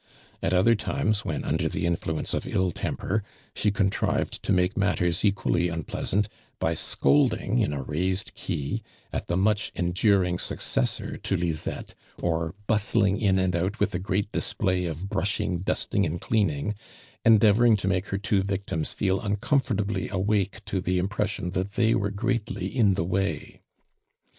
At other times, when under the influence of ill temper, she con trived to make mattei s equally unpleasant by scolding in a raised key at the much en during successor to Lizette, or bustling in and out, with a great display of brushing, dusting, and cleaning, endeavoring to make lier two victims feel uncomfortably awake to the impression that they were greatly in the way.